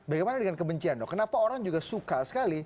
bagaimana dengan kebencian dok kenapa orang juga suka sekali